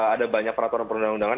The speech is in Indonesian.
ada banyak peraturan perundang undangan